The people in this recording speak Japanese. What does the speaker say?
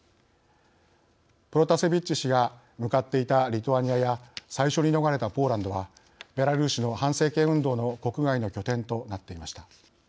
プロタセビッチ氏が向かっていたリトアニアや最初に逃れたポーランドはベラルーシの反政権運動の国外の拠点となっていました。